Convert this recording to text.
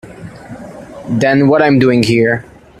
Then what am I doing here?